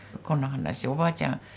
この話おばあちゃん